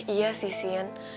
iya sih sin